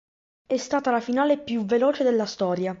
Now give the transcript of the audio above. È stata la finale più veloce della storia.